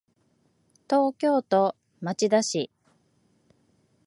東京都町田市